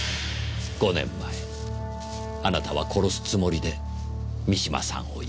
５年前あなたは殺すつもりで三島さんを呼んだ。